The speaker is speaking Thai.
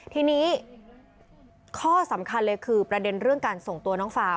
ทีนี้ข้อสำคัญเลยคือประเด็นเรื่องการส่งตัวน้องฟาว